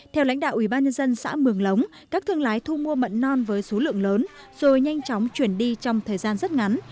theo lãnh đạo ủy ban nhân dân xã mường lống các thương lái thu mua mận non với số lượng lớn rồi nhanh chóng chuyển đi trong thời gian rất ngắn